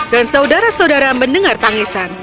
dan saudara saudara mendengar tangisan